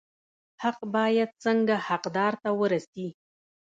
حق باید څنګه حقدار ته ورسي؟